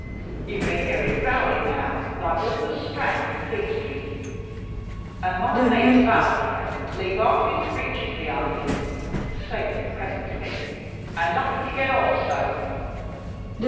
You can hear him growling now like all the Strand and Fleet Street; and my mate Balak here leave half his breeches behind him, saving your presence, Miss, and lucky to get off so.